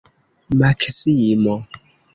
Maksimo!